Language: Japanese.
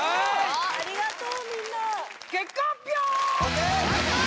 ありがとうみんな結果発表！